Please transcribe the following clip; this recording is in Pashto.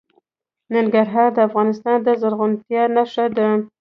ننګرهار د افغانستان د زرغونتیا نښه ده.